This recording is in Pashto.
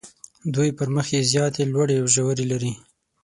دوی پر مخ یې زیاتې لوړې او ژورې لري.